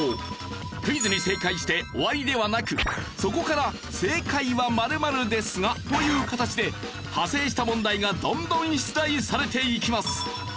クイズに正解して終わりではなくそこから「正解は○○ですが」という形で派生した問題がどんどん出題されていきます。